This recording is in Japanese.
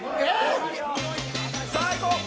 さあいこう。